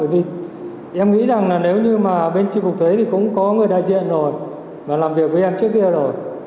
bởi vì em nghĩ rằng là nếu như mà bên tri cục thuế thì cũng có người đại diện rồi mà làm việc với em trước kia rồi